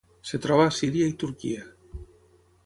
Es troba a Síria i Turquia.